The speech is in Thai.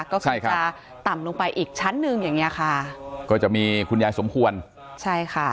ก็คือจะต่ำลงไปอีกชั้นหนึ่งอย่างเงี้ยค่ะก็จะมีคุณยายสมควรใช่ค่ะ